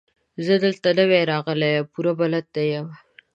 زه دلته نوی راغلی يم، پوره بلد نه يم.